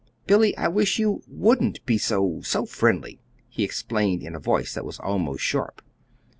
"Billy, I wish you WOULDN'T be so so friendly!" he exclaimed in a voice that was almost sharp.